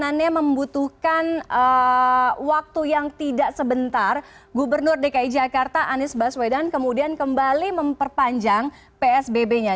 karena membutuhkan waktu yang tidak sebentar gubernur dki jakarta anies baswedan kemudian kembali memperpanjang psbb nya